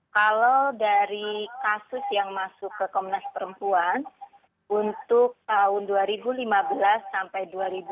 kalau dari kasus yang masuk ke komnas perempuan untuk tahun dua ribu lima belas sampai dua ribu dua puluh